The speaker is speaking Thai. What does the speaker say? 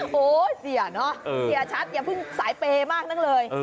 โหเสียเนอะเสียชัดอย่าเพิ่งสายเปย์มากนักเลย